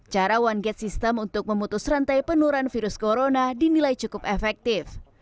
cara one gate system untuk memutus rantai penurunan virus corona dinilai cukup efektif